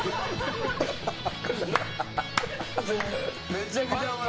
めちゃくちゃおもろい！